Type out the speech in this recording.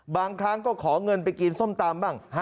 บางครั้งก็ขอเงินไปกินส้มตำบ้าง